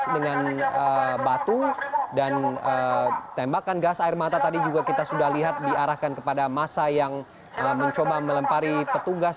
dengan batu dan tembakan gas air mata tadi juga kita sudah lihat diarahkan kepada masa yang mencoba melempari petugas